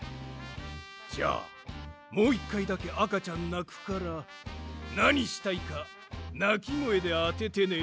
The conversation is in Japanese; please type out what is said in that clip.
じゃあもう１かいだけあかちゃんなくからなにしたいかなきごえであててね。